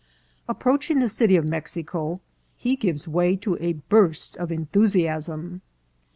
Approaching the city of Mexico, he gives way to a burst of enthusiasm.